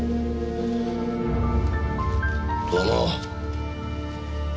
どうも。